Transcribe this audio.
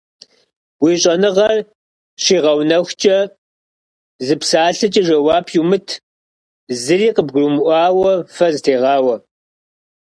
Уи щӏэныгъэр щигъэунэхукӏэ, зы псалъэкӏэ жэуап иумыт, зыри къыбгурмыӏуауэ фэ зытегъауэ.